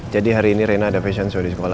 jadi hari ini reina ada fashion show di sekolahnya